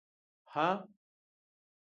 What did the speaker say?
_هه!